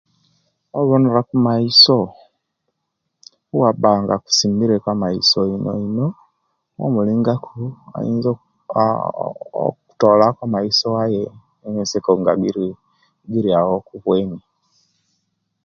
Obonera kumaisi obwabanga akusimbire ku amaiso onoino ayinza oooo kutolamu amaiso nga aye enseko nga giriya awo kubweni